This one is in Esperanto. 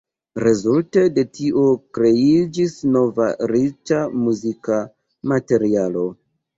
Rezulte de tio kreiĝis nova riĉa muzika materialo.